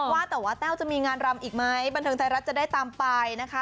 ว่าแต่ว่าแต้วจะมีงานรำอีกไหมบันเทิงไทยรัฐจะได้ตามไปนะคะ